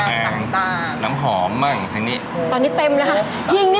เพราะว่าบางคนแบบพี่ที่ทำร้านน่ะ